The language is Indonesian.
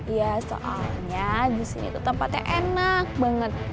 iya soalnya di sini tuh tempatnya enak banget